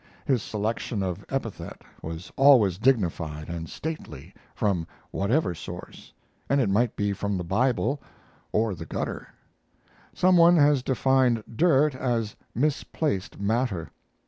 His selection of epithet was always dignified and stately, from whatever source and it might be from the Bible or the gutter. Some one has defined dirt as misplaced matter.